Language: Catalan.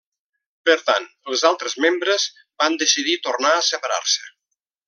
Per tant, els altres membres van decidir tornar a separar-se.